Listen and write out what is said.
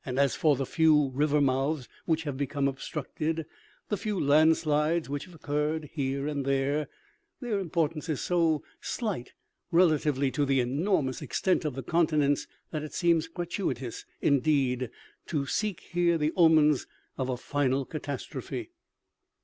as for the few river mouths which have become obstructed, the few land slides which have occurred here and there, their importance is so slight relatively to the enormous ex tent of the continents, that it seems gratuitous indeed to seek here the omens of a final catastrophe.